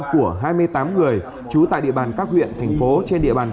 của hai mươi tám người trú tại địa bàn các huyện thành phố trên địa bàn